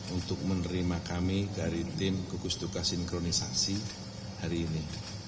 untuk menerima kami dari tim gugus tugas sinkronisasi hari ini